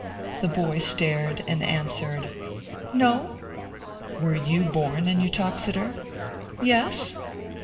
The boy stared and answered, "No!' "Were you born in Uttoxeter?" "Yes."